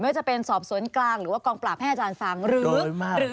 ว่าจะเป็นสอบสวนกลางหรือว่ากองปราบให้อาจารย์ฟังหรือ